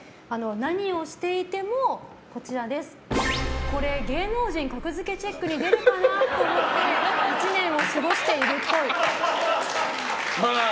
何をしていてもこれ「芸能人格付けチェック」に出るかなと思って１年を過ごしているっぽい。